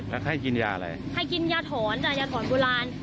แล้วให้กินยาอะไรให้กินยาถอนจ้ะยาถอนโบราณ